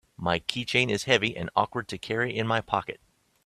My keychain is heavy and awkward to carry in my pocket.